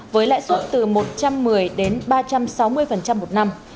với lãi suất từ một trăm một mươi đến ba trăm sáu mươi một năm